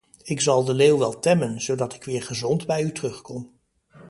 Ik zal de leeuw wel temmen, zodat ik weer gezond bij u terug kom.